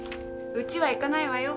うちは行かないわよ。